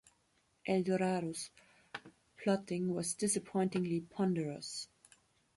"Eldorado's" plotting ... was disappointingly ponderous.